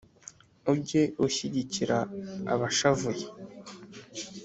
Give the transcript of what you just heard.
ujye ushyigikira abashavuye